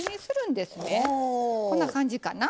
こんな感じかな。